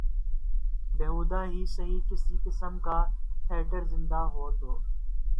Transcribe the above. بیہودہ ہی سہی کسی قسم کا تھیٹر زندہ تو ہے۔